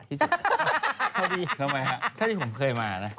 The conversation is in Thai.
ถ้าดีถ้าดีผมเคยมานะ